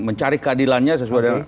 mencari keadilannya sesuai dengan